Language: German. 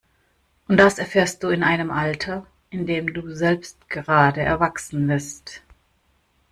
Und das erfährst du in einem Alter, in dem du selbst gerade erwachsen wirst.